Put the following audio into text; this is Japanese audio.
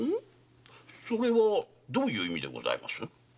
それはどういう意味でございます？